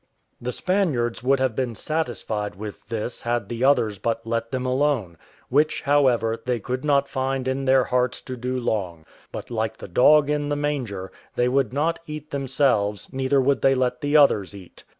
The Spaniards would have been satisfied with this had the others but let them alone, which, however, they could not find in their hearts to do long: but, like the dog in the manger, they would not eat themselves, neither would they let the others eat.